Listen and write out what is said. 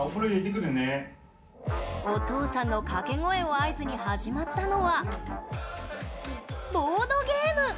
お父さんの掛け声を合図に始まったのはボードゲーム！